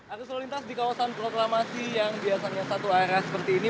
arus lalu lintas di kawasan proklamasi yang biasanya satu arah seperti ini